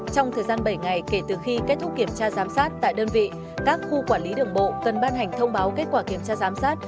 trong thời gian bảy ngày kể từ khi kết thúc kiểm tra giám sát tại đơn vị các khu quản lý đường bộ cần ban hành thông báo kết quả kiểm tra giám sát